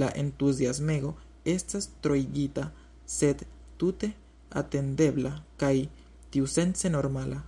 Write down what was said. La entuziasmego estas troigita, sed tute atendebla kaj tiusence normala.